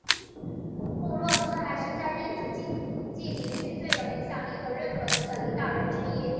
穆洛兹还是在电子竞技领域最有影响力和认可度的领导人之一。